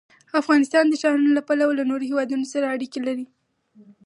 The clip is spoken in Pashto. افغانستان د ښارونه له پلوه له نورو هېوادونو سره اړیکې لري.